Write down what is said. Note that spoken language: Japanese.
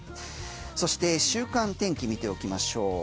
そして、週間天気見ておきましょう。